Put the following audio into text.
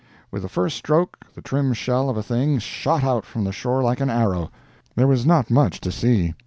With the first stroke the trim shell of a thing shot out from the shore like an arrow. There was not much to see.